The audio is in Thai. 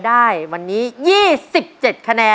น้องไมโครโฟนจากทีมมังกรจิ๋วเจ้าพญา